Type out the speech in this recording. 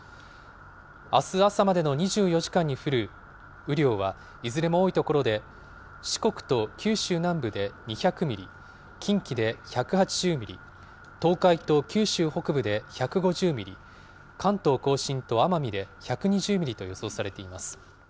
あす朝までの２４時間に降る雨量はいずれも多い所で四国と九州南部で２００ミリ、近畿で１８０ミリ、東海と九州北部で１５０ミリ、関東甲信と奄美で１２０ミリと予想されています。